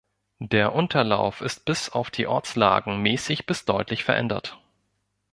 Der Unterlauf ist bis auf die Ortslagen mäßig bis deutlich verändert.